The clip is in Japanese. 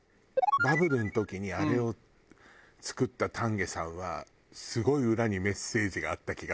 バブルの時にあれを作った丹下さんはすごい裏にメッセージがあった気がする。